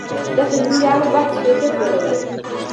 زده کړې نجونې د عامه بحث کيفيت لوړوي.